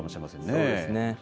そうですね。